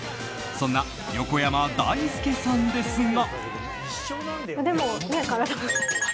そんな横山だいすけさんですが。